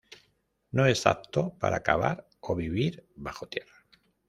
No es apto para cavar o vivir bajo tierra.